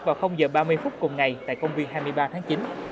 vào giờ ba mươi phút cùng ngày tại công viên hai mươi ba tháng chín